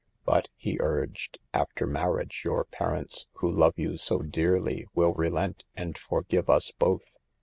"But," he urged, "after marriage your parents who love you so dearly will relent and forgive us both.